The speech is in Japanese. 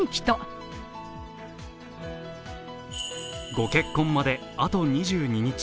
御結婚まであと２２日。